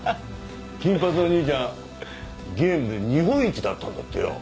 金髪の兄ちゃんゲームで日本一だったんだってよ。